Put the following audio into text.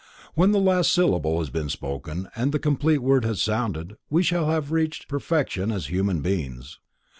When the last syllable has been spoken and the complete word has sounded, we shall have reached perfection as human beings.